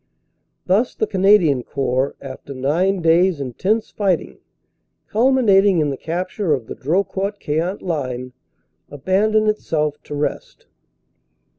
Thus the Canadian Corps, after nine days intense fighting culminating in the capture of the Drocourt Queant line, abandoned itself to rest.